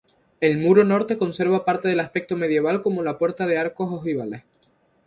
El muro norte conserva parte del aspecto medieval como la puerta de arcos ojivales.